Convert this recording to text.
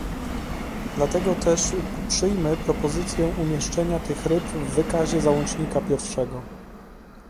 Dlatego też poprzyjmy propozycję umieszczenia tych ryb w wykazie załącznika I